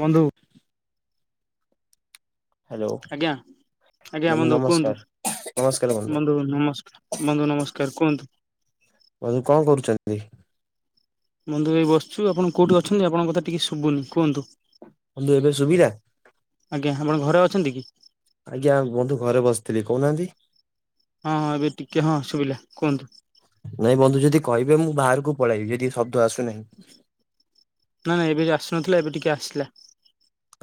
ବନ୍ଧୁ ହ୍ୟାଲୋ ଆଜ୍ଞା ଆଜ୍ଞା ବନ୍ଧୁ କୁହନ୍ତୁ ବନ୍ଧୁ ନମସ୍କା ବନ୍ଧୁ ନମସ୍କାର କୁହନ୍ତୁ। ବନ୍ଧୁ କଣ କରୁଚନ୍ତି? ବନ୍ଧୁ ଏଇ ବସଚୁ ଆପଣ କୋଉଠି ଅଛନ୍ତି ଆପଣଙ୍କ କଥା ଟିକେ ଶୁବୁନି କୁହନ୍ତୁ। ବନ୍ଧୁ ଏବେ ଶୁଭିଲା? ଆଜ୍ଞା ଆପଣ ଘରେ ଅଛନ୍ତି କି? ଆଜ୍ଞା ବନ୍ଧୁ ଘରେ ବସିଥିଲି କୋହୁନାହାନ୍ତି। ହଁ ଏବେ ଟିକେ ହଁ ଶୁଭିଲା କୁହନ୍ତୁ। ନାଇଁ ବନ୍ଧୁ ଯଦି କହିବେ ମୁଁ ବାହାରକୁ ପଳାଇବି ଯଦି ଶବ୍ଦ ଆସୁନାହିଁ। ନାଁ ନାଁ ଏବେ ଆସୁନଥିଲା ଏବେ ଟିକେ ଆସିଲା।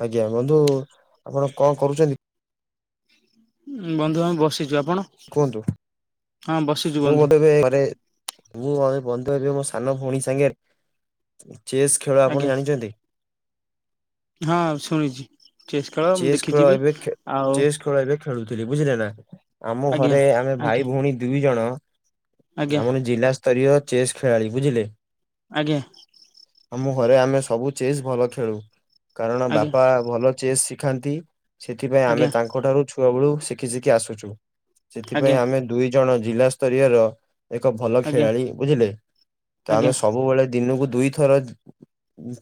ଆଜ୍ଞା ବନ୍ଧୁ ଆପଣ କଣ କରୁଚନ୍ତି? ଉଁ ବନ୍ଧୁ ଆମେ ବସିଚୁ ଆପଣ? କୁହନ୍ତୁ ହଁ ବସିଛୁ ମୁଁ ବନ୍ଧୁ ମଧ୍ୟ ଏବେ ଘରେ ମୁଁ ଅ ଏ ବନ୍ଧୁ ଏବେ ମୋ ସାନ ଭୋଉଣୀ ସାଙ୍ଗରେ ଚେସ୍ ଖେଳ ଆପଣ ଆଜ୍ଞା ଜାଣିଛନ୍ତି? ହଁ ଶୁଣିଚି। ଚେସ୍ ଖେଳ ମୁଁ ଦେଖିଚି ବି ଏବେ ଖେ ଆଉ ଚେସ୍ ଖେଳ ଏବେ ଖେଳୁଥିଲି ବୁଝିଲେନା ଆମ ଆଜ୍ଞା ଘରେ ଆମେ ଭାଇ ଆଜ୍ଞା ଭୋଉଣୀ ଦୁଇ ଜଣ ଆଜ୍ଞା ଆମର ଜିଲ୍ଲା ସ୍ତରୀୟ ଚେସ୍ ଖେଳାଳି ବୁଝିଲେ। ଆଜ୍ଞା। ଆମ ଘରେ ଆମେ ସବୁ ଚେସ୍ ଭଲ ଖେଳୁ କାରଣ ଆଜ୍ଞା ବାପା ଭଲ ଚେସ୍ ଶି ଖାନ୍ତି ସେଥିପାଇଁ ଆମେ ଆଜ୍ଞା ତାଙ୍କଠାରୁ ଛୁଆବେଳୁ ଶିଖି ଶିଖି ଆସୁଚୁ ଆଜ୍ଞା ସେଥିପାଇଁ ଆମେ ଦୁଇ ଜଣ ଜିଲ୍ଲା ସ୍ତରୀୟର ଏକ ଭଲ ଆଜ୍ଞା ଆଜ୍ଞା ଖେଳାଳି ବୁଝିଲେ ତ ଆମେ ସବୁବେଳେ ଦିନକୁ ଦୁଇଥର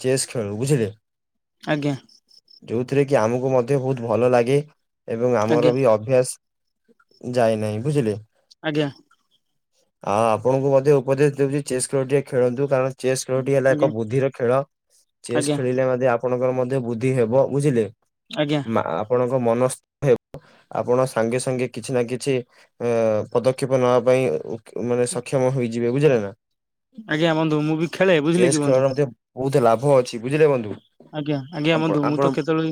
ଚେସ୍ ଖେଳୁ ବୁଝିଲେ। ଆଜ୍ଞା। ଯୋଉଥିରେ କି ଆମକୁ ମଧ୍ୟ ବୋହୁତ ଭଲ ଲାଗେ ଏବଂ ଆଜ୍ଞା ଆଜ୍ଞା ଆମର ଆଜ୍ଞା ବି ଅ ଅଭ୍ୟାସ ଯାଏନାହିଁ ବୁଝିଲେ। ଆଜ୍ଞା। ଆଉ ଆପଣଙ୍କୁ ମଧ୍ୟ ଉପଦେଶ ଦେବି ଯେ ଚେସ୍ ଖେଳ ଟିକେ ଖେଳନ୍ତୁ କାରଣ ଚେସ୍ ଖେଳଟି ହେଲା ଏକ ଆଜ୍ଞା ବୁଦ୍ଧିର ଖେଳ ଚେସ୍ ଆଜ୍ଞା ଖେଳିଲେ ମଧ୍ୟ ଆପଣଙ୍କର ମଧ୍ୟ ବୁଦ୍ଧି ହେବ ବୁଝିଲେ। ଆଜ୍ଞା। ମାଆ ଆପଣଙ୍କ ମନ [inaudible] ହେବ। ଆପଣ ସାଙ୍ଗେ ସାଙ୍ଗେ କିଛି ନା କିଛି ଏ-ପଦକ୍ଷେପ ନେବା ପାଇଁ ଉ ମାନେ ସକ୍ଷମ ହୋଇଯିବେ ବୁଝିଲେ ନା? ଆଜ୍ଞା ବନ୍ଧୁ ମୁଁ ବି ଖେଳେ ବୁଝିଲେ କି ବନ୍ଧୁ। ବୋହୁତୁ ଲାଭ ଅଛି ବୁଝିଲେ ବନ୍ଧୁ। ଆଜ୍ଞା ଆଜ୍ଞା ଆପଣ ବନ୍ଧୁ ମୁଁ ଆପଣ ତ କେତେଳେ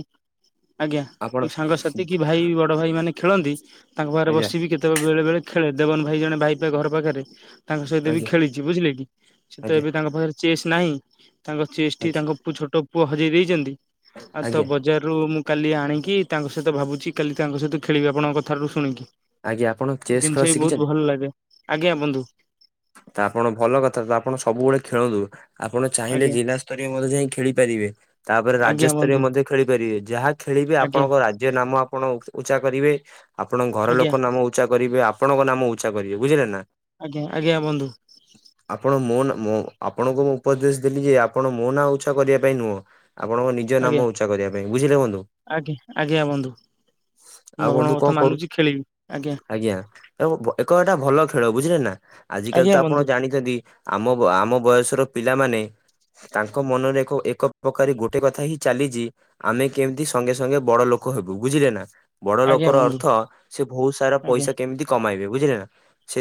ଆଜ୍ଞା ଆପଣ ସାଙ୍ଗସାଥି କି ଭାଇ ବ ବଡ ଭାଇମାନେ ଖେଳନ୍ତି ତାଙ୍କ ପାଖରେ ଆଜ୍ଞା ବସିବିି କେତଳେ ବେଳେ ବେଳେ ଖେଳେ ଦେବନ ଭାଇ ଜଣେ ଭାଇ ପା ଘର ପାଖରେ ତାଙ୍କ ସହିତ ବି ଆଜ୍ଞା ଖେଳିଚି ବୁଝିଲେ କି ସେତ ଆଜ୍ଞା ଏବେ ତାଙ୍କ ପାଖରେ ଚେସ୍ ନାହିଁ। ତାଙ୍କ ଚେସଟି ଆଜ୍ଞା ତାଙ୍କ ପୁ ଛୋଟ ପୁଅ ହଜେଇ ଦେଇଚନ୍ତି ଆଉ ତ ଆଜ୍ଞା ବଜାର ରୁ ମୁଁ କାଲି ଆଣିକି ତାଙ୍କ ସହିତ ଭାବୁଚି କାଲି ତାଙ୍କ ସହିତ ଖେଳିବି ଆପଣଙ୍କ କଥାରୁ ଶୁଣିକି। ଆଜ୍ଞା ଆପଣ ଚେସ୍ ଖେଳ ଜିନଷ ବି ଶିଖିଛନ୍ତି ବୋହୁତ ଭଲ ଲାଗେ ଆଜ୍ଞା ବନ୍ଧୁ। ତ ଆପଣ ଭଲ କଥା ତ ଆପଣ ସବୁବେଳେ ଖେଳନ୍ତୁ ଆପଣ ଚାହିଁଲେ ଆଜ୍ଞା ଜିଲ୍ଲାସ୍ ସ୍ତରୀୟ ମଧ୍ୟ ଯାଇଁ ଖେଳି ପାରିବେ ତାପରେ ଆଜ୍ଞା ରାଜ୍ୟସ୍ତରୀୟ ବନ୍ଧୁ ମଧ୍ୟ ଖେଳି ପାରିବେ ଯାହା ଖେଳିବେ ଆଜ୍ଞା ଆପଣଙ୍କ ରାଜ୍ୟ ନାମ ଆପଣ ଉକ୍ ଉଚ୍ଚା କରିବେ ଆପଣଙ୍କ ଘର ଲୋକ୍ ଆଜ୍ଞା ନାମ ଉଚ୍ଚା କରିବେ ଆପଣଙ୍କ ନାମ ଉଚ୍ଚା କରିବେ ବୁଝିଲେ ନା। ଆଜ୍ଞା ଆଜ୍ଞା ବନ୍ଧୁ। ଆପଣ ମୋ ନା ମୋ ଆପଣଙ୍କୁ ମୁଁ ଉପଦେଶ ଦେଲି ଯେ ଆପଣ ମୋ ନାଁ ଉଚ୍ଚା କରିବା ପାଇଁ ନୁହଁ। ଆପଣଙ୍କ ନି ଆଜ୍ଞା ଆଜ୍ଞା ଆଜ୍ଞା ବନ୍ଧୁ। ଆଉ ମୁଁ ବନ୍ଧୁ ଆପଣଙ୍କ କଣ କଥା କରୁ ମାନୁଛି ଖେଳିବି ଆଜ୍ଞା। ଆଜ୍ଞା ତ ଓ ଏକ ଏଟା ଭଲ ଖେଳ ବୁଝିଲେ ନା ଆଜି କାଲି ଆଜ୍ଞା ତ ବନ୍ଧୁ ଆପଣ ଜାଣିଛନ୍ତି ଆମ ଆମ ବୟସର ପିଲାମାନେ ତାଙ୍କ ମନରେ ଏକ ଏକ ପ୍ରକାର ଗୋଟେ କଥା ହିଁ ଚାଲିଛି ଆମେ କେମତି ସଙ୍ଗେ ସଙ୍ଗେ ବଡ ଲୋକ ହେବୁ ବୁଝିଲେ ନା। ବଡ ଆଜ୍ଞା ଲୋକର ବନ୍ଧୁ ଅର୍ଥ ସେ ବହୁତ ସାରା ଆଜ୍ଞା ପଇସା କେମିତି କମାଇବେ ବୁଝିଲେ ନା।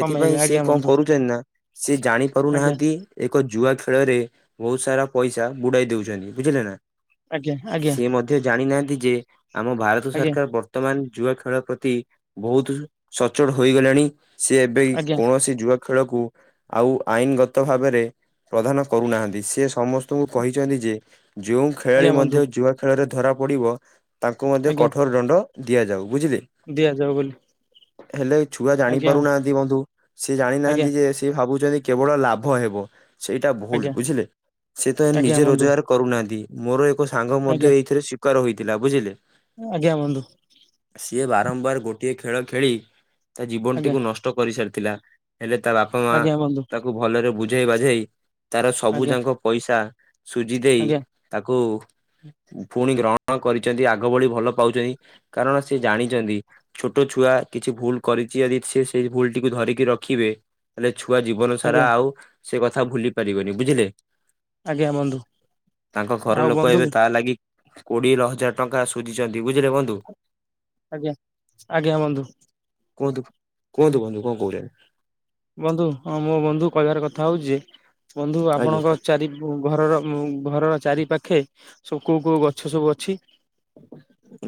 କମେଇବେ ସେ ଆଜ୍ଞା କଣ ବନ୍ଧୁ କରୁଛନ୍ତି ନା ସେ ଜାଣି ଆଜ୍ଞା ପାରୁନାହାନ୍ତି ଏକ ଜୁଆ ଖେଳରେ ବହୁତ ସାରା ପଇସା ବୁଡାଇ ଦଉଛନ୍ତି ବୁଝିଲେ ନା। ଆଜ୍ଞା ଆଜ୍ଞା ସେ ମଧ୍ୟ ଜାଣିନାହାନ୍ତି ଯେ ଆମ ଭାରତ ଆଜ୍ଞା ସରକାର ବର ର୍ତ୍ତମାନ ଜୁଆ ଖେଳ ପ୍ରତି ବହୁତ ସଚ୍ଚୋଟ ହୋଇଗଲେଣି। ସିଏ ଏବେ ଆଜ୍ଞା କୌଣସି ଜୁଆ ଖେଳକୁ ଆଉ ଆଇନ ଗତ ଭାବରେ ପ୍ରଦାନ କରୁନାହାନ୍ତି ସେ ସମସ୍ତଙ୍କୁ କହିଛନ୍ତି ଯେ ଯୋଉ ଆଜ୍ଞା ଖେଳାଳି ବନ୍ଧୁ ମଧ୍ୟ ଜୁଆ ଖେଳରେ ଧରା ପଡିବ ତାଙ୍କୁ ମଧ୍ୟ ଆଜ୍ଞା କଠୋର ଦଣ୍ଡ ଦିଆଯାଉ ବୁଝିଲେ। ଦିଆଯାଉ ବୋଲି। ହେଲେ ଛୁଆ ଜାଣି ଆଜ୍ଞା ପାରୁନାହାନ୍ତି ବନ୍ଧୁ ସିଏ ଆଜ୍ଞା ଜାଣିନାହାନ୍ତି ଯେ ସିଏ ଭାବୁଛନ୍ତି କେବଳ ଲାଭ ହେବ ସେଇଟା ଭୁଲ ଆଜ୍ଞା ବୁଝିଲେ ସେ ତ ଏ ଆଜ୍ଞା ନିଜେ ବନ୍ଧୁ ରୋଜଗାର କରୁନାହାନ୍ତି ମୋର ଏକ ସାଙ୍ଗ ଆଜ୍ଞା ମଧ୍ୟ ଏଇଥିରେ ଶିକାର ହୋଇଥିଲା ବୁଝିଲେ। ଆଜ୍ଞା ବନ୍ଧୁ। ସିଏ ବାରମ୍ବାର ଗୋଟିଏ ଖେଳ ଖେଳି ତା ଆଜ୍ଞା ଜୀବନଟିକୁ ନଷ୍ଟ କରିସାରିଥିଲା। ହେଲେ ତା ବାପ ମା ଆଜ୍ଞା ବନ୍ଧୁ ତାକୁ ଭଲରେ ବୁଝେଇ ବାଝେଇ ତାର ସବୁ ଆଜ୍ଞା ଯାକ ପଇସା ସୁଜି ଦେଇ ଆଜ୍ଞା ତାକୁ ପୁଣି ଗ୍ରହଣ କରିଛନ୍ତି ଆଗ ଭଳି ଭଲ ପାଉଛନ୍ତି କାରଣ ସେ ଜାଣିଛନ୍ତି ଛୋଟ ଛୁଆ କିଛି ଭୁଲ କରିଛି ଯଦି ସେ ସେଇ ଭୁଲଟିକୁ ଧରିକି ରଖିବେ ହେଲେ ଛୁଆ ଜୀବନ ସାରା ଆଜ୍ଞା ଆଉ ସେ କଥା ଭୁଲି ପାରିବନି ବୁଝିଲେ। ଆଜ୍ଞା ବନ୍ଧୁ ତାଙ୍କ ଘର ଆଉ ଲୋକ ବନ୍ଧୁ ଏବେ ତା ଲାଗି କୋଡିଏ ହଜାର ଟଙ୍କା ସୁଝିଚନ୍ତି ବୁଝିଲେ ବନ୍ଧୁ। ଆଜ୍ଞା ଆଜ୍ଞା ବନ୍ଧୁ। କୁହନ୍ତୁ କୁହନ୍ତୁ ବନ୍ଧୁ କଣ କହୁଚନ୍ତି। ବନ୍ଧୁ ହଁ ମୋ ବନ୍ଧୁ କହିବାର କଥା ହଉଚି ଯେ ବନ୍ଧୁ ଆଜ୍ଞା। ଆପଣଙ୍କ ଚାରି ଘରର ଘରର ଚାରି ପାଖେ କୋଉ କୋଉ ଗଛ ସବୁ ଅଛି।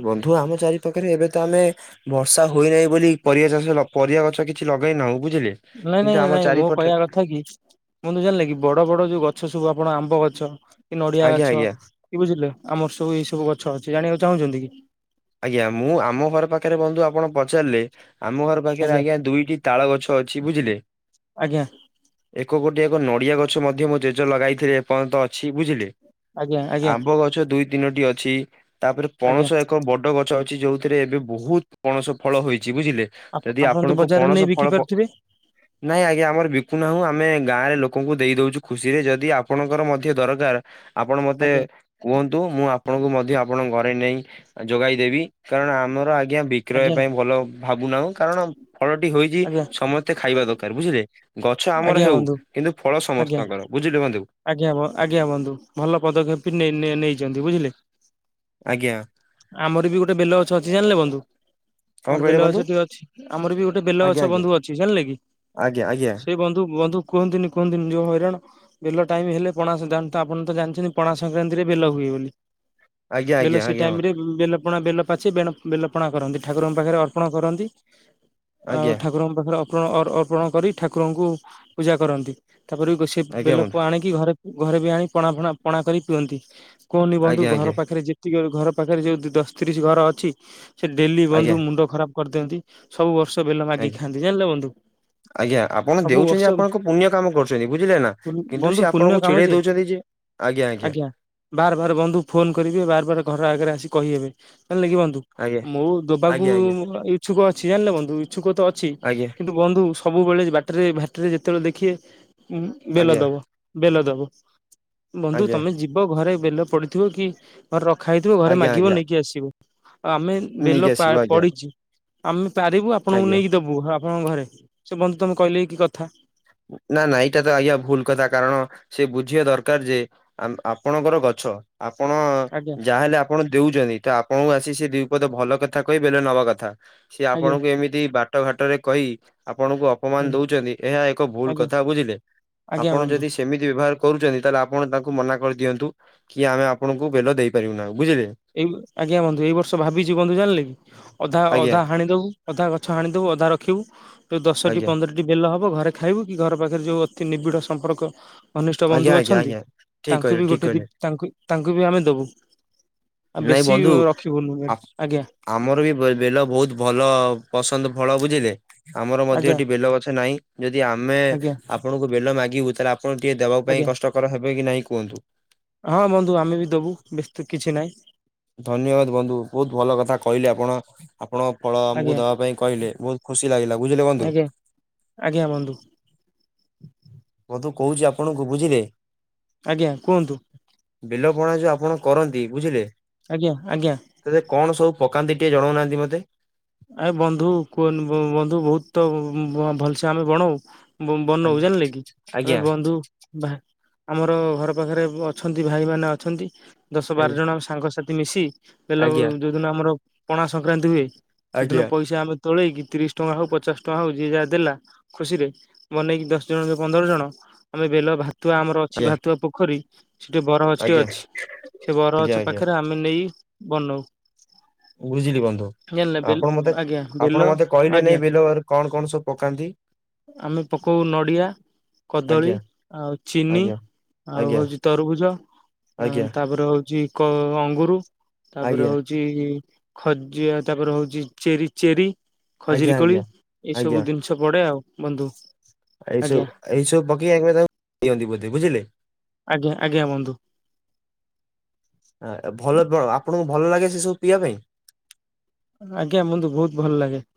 ବନ୍ଧୁ ଆମ ଚାରି ପାଖରେ ଏବେ ତ ଆମେ ବର୍ଷା ହୁଏ ନାହିଁ ବୋଲି ପରିବା ଚାଷ ପରିବା ଗଛ କିଛି ଲଗେଇନାହୁ ବୁଝିଲେ। ନାଇଁ କିନ୍ତୁ ନାଇଁ ଆମ ନାଇଁ ମୋ ଚାରିପଟେ କହିବା କ ଥା କିି ବନ୍ଧୁ ଜାଣିଲେ କି ବଡ ବଡ ଯୋଉ ଗଛ ସବୁ ଆପଣ ଆମ୍ବ ଗଛ କି ନଡିଆ ଆଜ୍ଞା ଗଛ ଆଜ୍ଞା କି ବୁଝିଲେ ଆମର ସବୁ ଏଇ ସବୁ ଗଛ ଅଛି ଜାଣିବାକୁ ଚାହୁଁଛନ୍ତି କି? ଆଜ୍ଞା ମୁଁ ଆମ ଘର ପାଖରେ ବନ୍ଧୁ ଆପଣ ପଚାରିଲେ ଆମ ଘର ପାଖରେ ଆଜ୍ଞା ଦୁଇଟି ତାଳ ଗଛ ଅଛି ବୁଝିଲେ। ଆଜ୍ଞା ଏକ ଗୋଟିଏ ଏକ ନଡିଆ ଗଛ ମଧ୍ୟ ମୁଁ ଜେଜ ଲଗାଇଥିଲି ଏପର୍ଯ୍ୟନ୍ତ ଅଛି ବୁଝିଲେ। ଆଜ୍ଞା ଆଜ୍ଞା ଆମ୍ବ ଗଛ ଦୁଇ ତିନୋଟି ଅଛି ତାପରେ ଆଜ୍ଞା ପଣସ ଏକ ଏକ ବଡ ଗଛ ଅଛି ଯୋଉଥିରେ ଏବେ ବହୁତ ପଣସ ଫଳ ହୋଇଛି ବୁଝିଲେ ଯଦି ଆପଣଙ୍କୁ ପଣସ ଫଳ ପ ହ [inaudible] ନାଇଁ ଆଜ୍ଞା ଆମର ବିକୁ ନାହୁଁ ଆମେ ଗାଁ ରେ ଲୋକଙ୍କୁ ଦେଇ ଦଉଛୁ ଖୁସି ରେ ଯଦି ଆପଣଙ୍କର ମଧ୍ୟ ଦରକାର ଆପଣ ମତେ ଆଜ୍ଞା କୁହନ୍ତୁ ମୁଁ ଆପଣଙ୍କୁ ମଧ୍ୟ ଆପଣଙ୍କ ଘରେ ନେଇ ଯୋଗାଇଦେବି କାରଣ ଆମର ଆଜ୍ଞା ବିକ୍ରୟ ଆଜ୍ଞା। ପାଇଁ ଭଲ ଭାବୁନାହୁଁ କାରଣ ଫଳଟି ହୋଇଚି ଆଜ୍ଞା ସମସ୍ତେ ଖାଇବା ଦରକାର ବୁଝିଲେ ଗଛ ଆମର ଆଜ୍ଞା ହେଉ ବନ୍ଧୁ କିନ୍ତୁ ଫଳ ଆଜ୍ଞା। ସମସ୍ତଙ୍କର। ବୁଝିଲୁ ବନ୍ଧୁ? ଆଜ୍ଞା ହ ଆଜ୍ଞା ବନ୍ଧୁ ଭଲ ପଦକ୍ଷେପ ନେଇ ନେଇଛନ୍ତି ବୁଝିଲେ। ଆଜ୍ଞା। ଆମର ବି ଗୋଟେ ବେଲ ଗଛ ଅଛି ଜାଣିଲେ ବନ୍ଧୁ? କଣ ଆମର କହିଲେ ବେଲ ବନ୍ଧୁ ଗଛ ଟିକେ ଅଛି ଆମର ବି ଗୋଟେ ବେଲ ଆଜ୍ଞା ଗଛ ଆଜ୍ଞା ବନ୍ଧୁ ଅଛି ଜାଣିଲେ କି? ଆଜ୍ଞା ସେ ବନ୍ଧୁ ବନ୍ଧୁ କୁହନ୍ତୁନି କୁହନ୍ତିନ ଯୋଉ ହଇରାଣ। ବେଲ ଟାଇମ ହେଲେ ପଣା ଆପଣ ତ ଜାଣିଛନ୍ତି ପଣା ସଂକ୍ରାନ୍ତିରେ ବେଲ ହୁଏ ବୋଲି। ଆଜ୍ଞା ବେଲ ଆଜ୍ଞା ଆଜ୍ଞା ସେ ଆଜ୍ଞା ଟାଇମ ବନ୍ଧୁ ରେ ବେଲ ପଣା ବେଲ ପାଚି ବେ ବେଲ ପଣା କରନ୍ତି ଠାକୁରଙ୍କ ପାଖରେ ଅର୍ପଣ କରନ୍ତି। ଆଉ ଆଜ୍ଞା ଠାକୁରଙ୍କ ପାଖରେ ଅପଣ ଅର ଅର୍ପଣ କରି ଠାକୁରଙ୍କୁ ପୂଜା କରନ୍ତି ତାପରେ ବି ଗୋ ସେ ଆଜ୍ଞା ବେଲ ବନ୍ଧୁ ଆଣିକି ଘରେ ଘରେ ବି ଆଣି ପଣା ଫଣା ପଣା କରି ପିଅନ୍ତି। କୁହନି ବନ୍ଧୁ ଆଜ୍ଞା ଆଜ୍ଞା ଘର ପାଖରେ ଯେତିକି ଘର ପାଖରେ ଯୋଉ ଦଶ ତିରିଶ ଘର ଅଛି ସେ ଡେଲି ଆଜ୍ଞା ବନ୍ଧୁ ମୁଣ୍ଡ ଖରାପ କରିଦିଅନ୍ତି, ସବୁ ବର୍ଷ ବେଲ ଆଜ୍ଞା ମାଗିକ ଖାଆନ୍ତି ଜାଣିଲ ବନ୍ଧୁ। ଆଜ୍ଞା ଆପଣ ସବୁ ଦେଉଛନ୍ତି ବର୍ଷ ଆପଣଙ୍କ ପୁଣ୍ୟ କାମ କରୁଛନ୍ତି ବୁଝିଲେ ନା। କିନ୍ତୁ ବନ୍ଧୁ ସେ ପୁଣ୍ୟ ଆପଣଙ୍କୁ କାମ ଚିଡ଼େଇ ଦଉଛନ୍ତି ଯେ ଆଜ୍ଞା ଆଜ୍ଞା ବାର ବାର ବନ୍ଧୁ ଫୋନ କରିବେ ବାର ବାର ଘର ଆଗରେ ଆସିକି କହିହେବେ ଜାଣିଲେ କିି ବନ୍ଧୁ। ଆଜ୍ଞା ମୁଁ ଦବାକୁ ଆଜ୍ଞା ଇଚ୍ଛୁକ ଅଛି ଜାଣିଲେ ବନ୍ଧୁ ଇଚ୍ଛୁକ ତ ଅଛି ଆଜ୍ଞା କିନ୍ତୁ ବନ୍ଧୁ ସବୁବେଳେ ବାଟରେ ଭାଟରେ ଯେତେବେଳେ ଦେଖିବେ ବେଲ ଆଜ୍ଞା ଦେବ। ବେଲ ଦବ ଆଜ୍ଞା ବନ୍ଧୁ ଆଜ୍ଞା ତମେ ଯିବ ଘରେ ବେଲ ପଡିଥିବ କି ରଖା ହେଇଥିବ ଘରେ ଆଜ୍ଞା ମାଗିବ ଆଜ୍ଞା ନେଇକି ଆସିବ, ଆମେ ନେଇକି ବେଲ ଆସିବ ଆଜ୍ଞା ପଡିଚି। ଆମେ ପାରିବୁ ଆପଣଙ୍କୁ ଆଜ୍ଞା ନେଇକି ଦେବୁ ଆପଣଙ୍କ ଘରେ ସେ ବନ୍ଧୁ ତମେ କହିଲେ ଏ କି କଥା। ନା ନା ଏଇଟା ତ ଆଜ୍ଞା ଭୁଲ କଥା କାରଣ ସେ ବୁଝିବା ଦରକାର ଯେ ଆ ଆପଣଙ୍କର ଗଛ ଆପଣ ଆଜ୍ଞା ଯାହାହେଲେ ଆପ ଆପଣ ଦେଉଛନ୍ତି ତ ଆପଣଙ୍କୁ ଆସି ସେ ଦିପଦ ଭଲ କଥା କହି ବେଲ ନବା କଥା। ସିଏ ଆଜ୍ଞା ଆପଣଙ୍କୁ ଏମିତି ବାଟ ଘାଟରେ କହି ଆପଣଙ୍କୁ ଅପମାନ ଆଜ୍ଞା ଦଉଛନ୍ତି ଏହା ଏକ ଭୁଲ ଆଜ୍ଞା କଥା ବୁଝିଲେ ଆଜ୍ଞା ଆପଣ ବନ୍ଧୁ। ଯଦି ସେମିତି ବ୍ୟବହାର କରୁଛନ୍ତି ତାହେଲେ ଆପଣ ତାଙ୍କୁ ମନା କରିଦିଅନ୍ତୁ। କି ଆମେ ଆପଣଙ୍କୁ ବେଲ ଦେଇପାରିବୁ ନାହିଁ ବୁଝିଲେ। ଏଇ ଆଜ୍ଞା ବନ୍ଧୁ ଏଇ ବର୍ଷ ଭାବିଛି ବନ୍ଧୁ ଜାଣିଲେ କି ଅଧା ଆଜ୍ଞା ଅଧା ହାଣିଦବୁ। ଅଧା ଗଛ ହାଣିଦବୁ ଅଧା ରଖିବୁ ଯଉ ଦଶଟି ଆଜ୍ଞା ପନ୍ଦର କି ବେଲ ହବ ଘରେ ଖାଇବୁ କି ଘର ପାଖରେ ଯୋଉ ଅତି ନିବିଡ ସମ୍ପର୍କ ଘନିଷ୍ଟ ଆଜ୍ଞା ବନ୍ଧୁ ଆଜ୍ଞା ଅଛନ୍ତି ଆଜ୍ଞା। ଠିକ ତାଙ୍କୁ କହିଲେ ବି ଠିକ ଗୋଟେ ଦି କହିଲେ ତାଙ୍କୁ ତାଙ୍କୁ ବି ଆମେ ଦେବୁ। ଆଉ ନାଇଁ ବେଶୀ ବନ୍ଧୁ ରଖିବୁନୁ ଆ ଆଜ୍ଞା। ଆମର ବି ବେଲ ବହୁତ ଭଲ ପସନ୍ଦ ଫଳ ବୁଝିଲେ। ଆମର ମଧ୍ୟ ଆଜ୍ଞା ଏଠି ବେଲ ଗଛ ନାହିଁ ଯଦି ଆମେ ଆଜ୍ଞା ଆପଣଙ୍କୁ ବେଲ ମାଗିବୁ ତାହେଲେ ଆପ ଆପଣ ଟିକେ ଦେବା ପାଇଁ ଆଜ୍ଞା କଷ୍ଟକର ହେବେ କି ନାଇଁ କୁହନ୍ତୁ? ହଁ ବନ୍ଧୁ ଆମେ ବି ଦବୁ ବେସ୍ତ କିଛି ନାହିଁ। ଧନ୍ୟବାଦ ବନ୍ଧୁ ବହୁତ ଭଲ କଥା କହିଲେ ଆପଣ। ଆପଣ ଫଳ ଆଜ୍ଞା ଆମକୁ ଦବା ପାଇଁ କହିଲେ ବହୁତ ଖୁସି ଲାଗିଲା ବୁଝିଲେ ବନ୍ଧୁ। ଆଜ୍ଞା ଆଜ୍ଞା ବନ୍ଧୁ। ବଧୁ କହୁଛି ଆପଣଙ୍କୁ ବୁଝିଲେ। ଆଜ୍ଞା କୁହନ୍ତୁ? ବେଲ ପଣା ଯୋଉ ଆପଣ କରନ୍ତି ବୁଝିଲେ। ଆଜ୍ଞା ଆଜ୍ଞା। ସେଥିରେ କଣ ସବୁ ପକାନ୍ତି ଟିକେ ଜଣଉନାହାନ୍ତି ମତେ। ଆ ବନ୍ଧୁ କୁହ ବନ୍ଧୁ ବହୁତ ତ ଭଲସେ ଆମେ ବଣଉ। ବନଉ ଆଜ୍ଞା ଜାଣିଲେ କି ଆମେ ଆଜ୍ଞା ବନ୍ଧୁ ଆମର ଘର ପାଖରେ ଅଛନ୍ତି ଭାଇମାନେ ଅଛନ୍ତି ଦଶ ଆଜ୍ଞା ବାର ଜଣ ସାଙ୍ଗସାଥି ମିଶି ବେଲ ଆଜ୍ଞା ଯେଉଁଦିନ ଆମର ପଣା ସଂକ୍ରାନ୍ତି ହୁଏ ସେଦିନ ଆଜ୍ଞା ପଇସା ଆମେ ତୋଳେଇକି ତିରିଶ ଟଙ୍କା ହଉ ପଚାଶ ଟଙ୍କା ହଉ ଯିଏ ଯାହା ଦେଲା। ଖୁସିରେ ବନେଇକି ଦଶ ଜଣ କି ପନ୍ଦର ଜଣ ଆମେ ବେଲ ବା ତୁଆ ଆମର ଅଛି ଭାତୁଆ ପୋଖରୀ ସେଠି ବରଗଛ ଟେ ଆଜ୍ଞା ଅଛି ସେ ଆଜ୍ଞା ବରଗଛ ଆଜ୍ଞା ପାଖରେ ଆ ଆମେ ନେଇ ବନଉ। ବୁଝିଲି ବନ୍ଧୁ ଜାଣିଲେ ବେଲ ଆପଣ ମତେ ଆଜ୍ଞା ବେଲ ଆପଣ ମତେ କହିଲେ ଆଜ୍ଞା। ନାଇଁ ବେଲ କଣ କଣ ସବୁ ପକାନ୍ତି। ଆମେ ପକଉ ନଡିଆ କଦଳୀ ଆଜ୍ଞା ଆଉ ଚିନି ଆଜ୍ଞା। ଆଉ ଆଜ୍ଞା ହଉଛି ତରଭୁଜ ଆଜ୍ଞା ନା ତା ଆଜ୍ଞା ତାପରେ ହଉଚି କ ଅଙ୍ଗୁର ତାପରେ ଆଜ୍ଞା ହଉଚି ଖଜିଆ ତାପରେ ହଉଚି ଚି ଚେରି ଚେରି ଖଜୁରୀ କୋଳି ଆଜ୍ଞା ଏଇ ଆଜ୍ଞା ସବୁ ଜିନିଷ ପଡେ ଆଉ ବନ୍ଧୁ। ଏଇ ସବୁ ଆଜ୍ଞା ଏଇ ସବୁ ପକେଇ ଆ ତାକୁ ପିଅନ୍ତି ବୋଧେ ବୁଝିଲେ। ଆଜ୍ଞା ଆଜ୍ଞା ବନ୍ଧୁ। ଅ ଭଲ ଆପଣଙ୍କୁ ଭଲ ଲାଗେ ସେ ସବୁ ପିଇବା ପାଇଁ। ଆଜ୍ଞା ବନ୍ଧୁ ବହୁତ ଭଲ ଲାଗେ।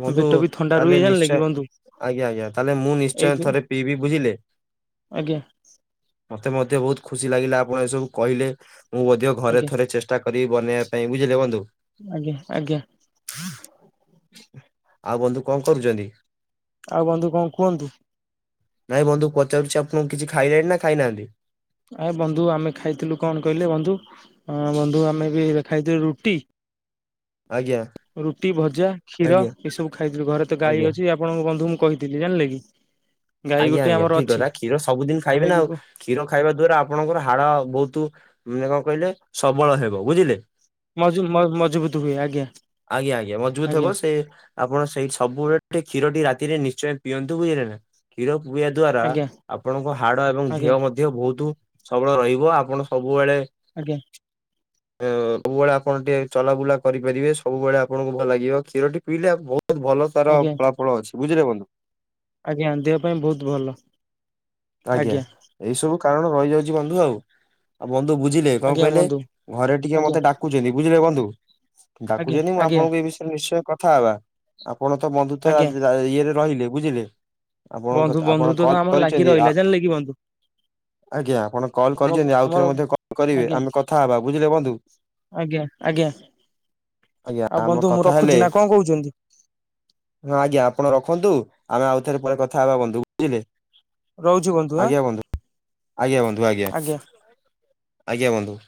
ବନ୍ଧୁ ପେଟ ବି ଥଣ୍ଡା ତାଲେ ରୁହେ ଜାଣିଲେ ନିଶ୍ଚୟ କି ବନ୍ଧୁ ଆଜ୍ଞା ଆଜ୍ଞା ତାଲେ ମୁଁ ଏଇ ନିଶ୍ଚୟ ଥରେ ପିଇବି ବୁଝିଲେ। ଆଜ୍ଞା। ମତେ ମଧ୍ୟ ବହୁତ ଖୁସି ଲାଗିଲା ଆପଣ ଏସବୁ କହିଲେ ମୁଁ ମଧ୍ୟ ଘରେ ଆଜ୍ଞା ଥରେ ଚେଷ୍ଟା କରିବି ବନେଇବା ପାଇଁ ବୁଝିଲେ ବନ୍ଧୁ। ଆଜ୍ଞା ଆଜ୍ଞା। ଆଉ ବନ୍ଧୁ କଣ କରୁଚନ୍ତି। ଆଉ ବନ୍ଧୁ କଣ କୁହନ୍ତୁ। ନାଇଁ ବନ୍ଧୁ ପଚାରୁଛି ଆପଣଙ୍କୁ କିଛି ଖାଇଲେଣି ନା ଖାଇନାହାନ୍ତି। ଆ ବନ୍ଧୁ ଆମେ ଖାଇଥିଲୁ କଣ କହିଲେ ବନ୍ଧୁ ଅ ବନ୍ଧୁ ଆମେ ବି ଖାଇଥିଲୁ ରୁଟି ଆଜ୍ଞା ରୁଟି ଭଜା କ୍ଷୀର ଆଜ୍ଞା ଏସବୁ ଖାଇଥିଲୁ ଘରେ ତ ଗାଈ ଆଜ୍ଞା ଅଛି ଆପଣଙ୍କ ବନ୍ଧୁ ମୁଁ କହିଥିଲି ଜାଣିଲେ କି। ଗାଈ ଆଜ୍ଞା ଗୋଟେ ଆଜ୍ଞା ଆମର ଠିକ ଅଛି କଥା କ୍ଷୀର ସବୁ ଦିନ ଖାଇବେ ଆମେ ନା ବି ଆଉ। କ୍ଷୀର ଖାଇବା ଦ୍ଵାରା ଆପଣଙ୍କର ହାଡ ବହୁତ ମାନେ କଣ କହିଲେ ସବଳ ହେବ ବୁଝିଲେ। ମଜ ମଜବୁତ ହୁଏ ଆଜ୍ଞା ଆଜ୍ଞା ଆଜ୍ଞା ମଜୁଦ ଆଜ୍ଞା ହବ ସେ ଆପଣ ସେଇ ସବୁବେଳେ କ୍ଷୀରଟି ରାତିରେ ନିଶ୍ଚୟ ପିଅନ୍ତୁ ବୁଝିଲେ ନା କ୍ଷୀର ପିଆ ଦ୍ଵାରା ଆଜ୍ଞା ଆପଣଙ୍କ ହାଡ ଏବଂ ଆଜ୍ଞା ଦେହ ମଧ୍ୟ ବହୁତ ସବଳ ରହିବ ଆପଣ ସବୁବେଳେ ଆଜ୍ଞା। ଅ ସବୁବେଳେ ଆପଣ ଟିକେ ଚଲାବୁଲା କରିପାରିବେ ସବୁବେଳେ ଆପଣଙ୍କୁ ଭଲ ଲାଗିବ କ୍ଷୀର ଟି ପିଇଲେ ବହୁତ ଭଲ ତାର ଆଜ୍ଞା ଫଳାଫଳ ଅଛି ବୁଝିଲେ ବନ୍ଧୁ। ଆଜ୍ଞା ଦେହ ପାଇଁ ବହୁତ ଭଲ ଆଜ୍ଞା। ଏଇ ସବୁ କାରଣ ରହିଯାଉଚି ବନ୍ଧୁ ଆଉ ଆଉ ବନ୍ଧୁ ବୁଝିଲେ କଣ ଆଜ୍ଞା କହିଲେ ବନ୍ଧୁ ଘରେ ଟିକେ ଆଜ୍ଞା ମତେ ଡାକୁଚନ୍ତି ବୁଝିଲେ ବନ୍ଧୁ ଆଜ୍ଞା ଡାକୁଚନ୍ତି ମୁଁ ଆଜ୍ଞା ଆପଣଙ୍କୁ ଏ ବି ନିଶ୍ଚୟ କଥା ହବା ଆପଣ ତ ବନ୍ଧୁ ତ ଆଜ୍ଞା ଇଏରେ ରହିଲେ ବୁଝିଲେ। ଆପଣଙ୍କ ବନ୍ଧୁ ତ ଆପଣ ବନ୍ଧୁତ୍ୱ କଲ ଆମର ଲାଗି କରିଚନ୍ତି ଆ ରହିଲା ଜାଣିଲେ କି ବନ୍ଧୁ ଆଜ୍ଞା ଆପଣ କଲ୍ ଆମ କରିଚନ୍ତି ଆଉ ଆମର ଥରେ ମଧ୍ୟ କଲ୍ କରିବେ ଆଜ୍ଞା ଆମେ କଥ ଥା ହବା ବୁଝିଲେ ବନ୍ଧୁ। ଆଜ୍ଞା ଆଜ୍ଞା ଆଜ୍ଞା ଆଉ ଆମେ ବନ୍ଧୁ ମୁଁ କଥା ରଖୁଛି ହେଲେ ନା କଣ କହୁଛନ୍ତି ହଁ ଆଜ୍ଞା ଆପଣ ରଖନ୍ତୁ ଆମେ ଆଉଥରେ ପରେ କଥା ହେବା ବନ୍ଧୁ ବୁଝିଲେ। ରହୁଛି ଆଁ ଆଜ୍ଞା ବନ୍ଧୁ ଆଜ୍ଞା ବନ୍ଧୁ ଆଜ୍ଞା ଆଜ୍ଞା ବନ୍ଧୁ।